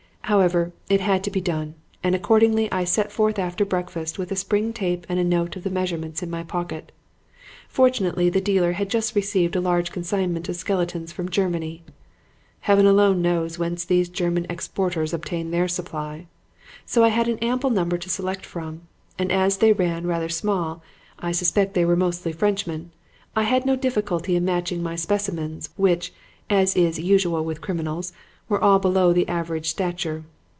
"However, it had to be done, and accordingly I set forth after breakfast with a spring tape and a note of the measurements in my pocket. Fortunately the dealer had just received a large consignment of skeletons from Germany (Heaven alone knows whence these German exporters obtain their supply), so I had an ample number to select from; and as they ran rather small I suspect they were mostly Frenchmen I had no difficulty in matching my specimens, which, as is usual with criminals, were all below the average stature.